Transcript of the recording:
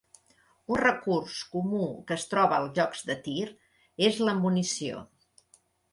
Un recurs comú que es troba als jocs de tir es la munició.